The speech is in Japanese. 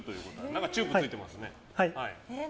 何かチューブついてますね。